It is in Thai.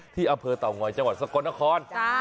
ที่อเภอตาวง้อยจังหวัดสกลนคร